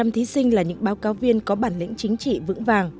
một trăm linh thí sinh là những báo cáo viên có bản lĩnh chính trị vững vàng